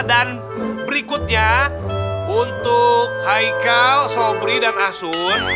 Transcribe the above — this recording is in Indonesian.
dan berikutnya untuk haikal sobri dan asun